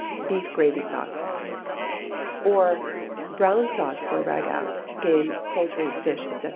Beef Gravy Sauce. (Or Brown Sauce for ragoût, Game, Poultry, Fish, &c.)